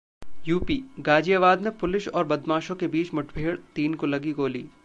UP Ghaziabad में police और बदमाशों के बीच मुठभेड़, तीन को लगी गोली